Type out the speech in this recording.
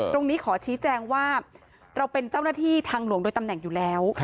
ขอชี้แจงว่าเราเป็นเจ้าหน้าที่ทางหลวงโดยตำแหน่งอยู่แล้ว